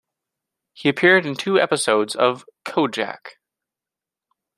He appeared in two episodes of "Kojak".